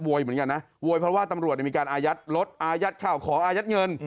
เหมือนกันนะโวยเพราะว่าตำรวจมีการอายัดรถอายัดข่าวของอายัดเงิน